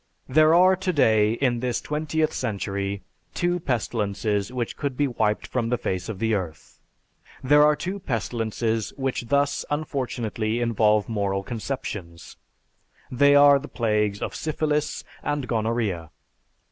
There are today, in this twentieth century, two pestilences which could be wiped from the face of the earth. "There are two pestilences which thus unfortunately involve moral conceptions. They are the plagues of Syphilis and Gonorrhea.